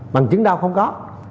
bằng chứng đâu không có